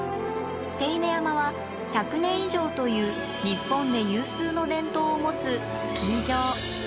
手稲山は１００年以上という日本で有数の伝統を持つスキー場。